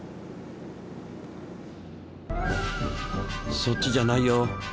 そっちじゃないよ。